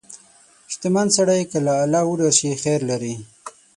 • شتمن سړی که له الله وډار شي، خیر لري.